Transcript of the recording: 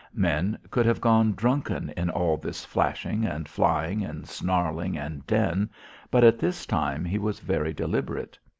Men could have gone drunken in all this flashing and flying and snarling and din, but at this time he was very deliberate.